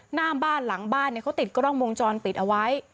หน้าบ้านหลังบ้านเขาติดกล้องวงจรปิดเอาไว้